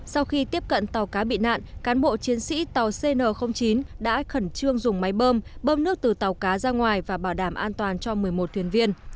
sau khi tiếp cận tàu cá bị nạn cán bộ chiến sĩ tàu cn chín đã khẩn trương dùng máy bơm bơm nước từ tàu cá ra ngoài và bảo đảm an toàn cho một mươi một thuyền viên